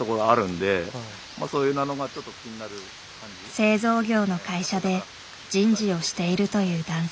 製造業の会社で人事をしているという男性。